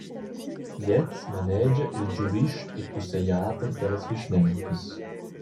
Gliez manegia il giurist e cussegliader dallas vischnauncas.